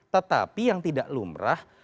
tetapi yang tidak lumrah